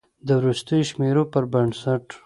د وروستیو شمیرو پر بنسټ